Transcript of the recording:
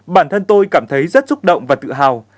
bản thân tôi cảm thấy rất xúc động và tự hào